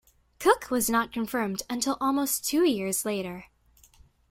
Cook was not confirmed until almost two years later.